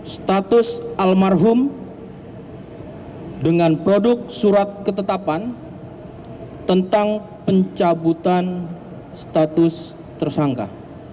status almarhum dengan produk surat ketetapan tentang pencabutan status tersangka